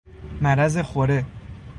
مرض خوره